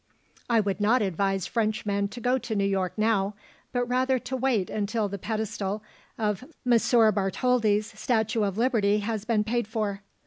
"I would not advise Frenchmen to go to New York now, but rather to wait until the pedestal of M. Bartholdi's Statue of Liberty has been paid for.